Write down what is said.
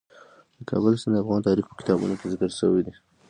د کابل سیند د افغان تاریخ په کتابونو کې ذکر شوی دي.